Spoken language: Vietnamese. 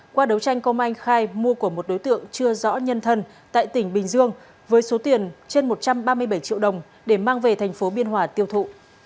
qua đấu tranh công anh khai mua của một đối tượng chưa rõ nhân thân tại tỉnh bình dương với số tiền trên một trăm ba mươi bảy triệu đồng để mang về thành phố biên hòa tiêu thụ